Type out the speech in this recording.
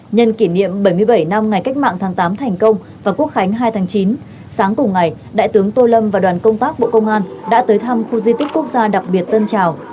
nhân kỷ niệm bảy mươi bảy năm ngày cách mạng tháng tám thành công và quốc khánh hai tháng chín sáng cùng ngày đại tướng tô lâm và đoàn công tác bộ công an đã tới thăm khu di tích quốc gia đặc biệt tân trào